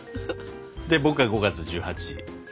で僕が５月１８。